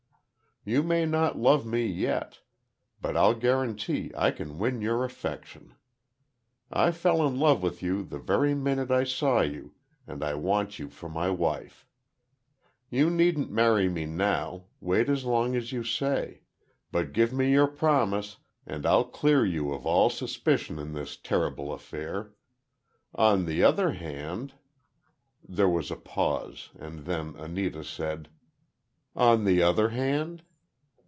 You may not love me yet—but I'll guarantee I can win your affection. I fell in love with you, the very minute I saw you and I want you for my wife. You needn't marry me now—wait as long as you say—but give me your promise, and I'll clear you of all suspicion in this terrible affair. On the other hand—" There was a pause, and then Anita said: "On the other hand?"